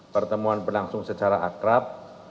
pertemuan berlangsung secara akrab